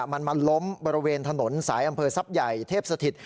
มันมาล้มบริเวณถนนสายอำเภอทรัพย์ใหญ่เทพสถิต